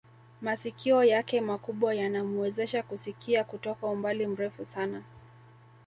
Masikio yake makubwa yanamuwezesha kusikia kutoka umbali mrefu sana